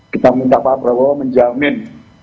kita minta pak prabowo menjamin